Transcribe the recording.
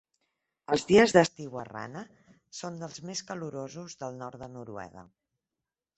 Els dies d'estiu a Rana són dels més calorosos del nord de Noruega.